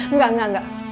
enggak enggak enggak